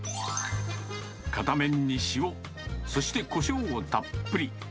片面に塩、そしてこしょうをたっぷり。